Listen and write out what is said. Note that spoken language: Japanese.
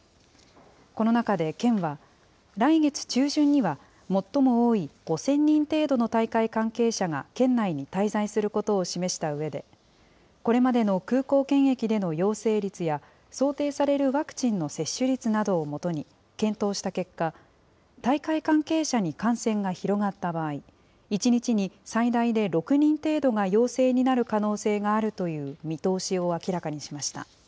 この中で県は、来月中旬には、最も多い５０００人程度の大会関係者が県内に滞在することを示したうえで、これまでの空港検疫での陽性率や、想定されるワクチンの接種率などをもとに検討した結果、大会関係者に感染が広がった場合、１日に最大で６人程度が陽性になる可能性があるという見通しを明らかにしました。